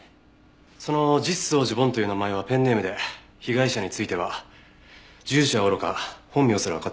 その実相寺梵という名前はペンネームで被害者については住所はおろか本名すらわかっていません。